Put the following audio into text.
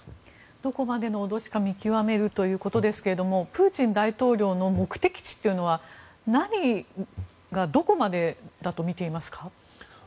どこまでの脅しか見極めるということですがプーチン大統領の目的地というのは何がどこまでだと見ていますか？